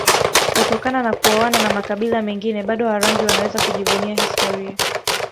kutokana na kuoana na makabila mengine bado Warangi wanaweza kujivunia historia